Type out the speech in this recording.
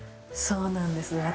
そうなんです。